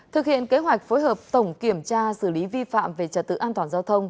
thực hiện kế hoạch phối hợp tổng kiểm tra xử lý vi phạm về trật tự an toàn giao thông